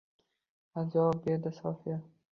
Ha, javob berdi Sofiya